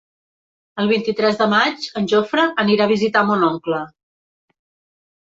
El vint-i-tres de maig en Jofre anirà a visitar mon oncle.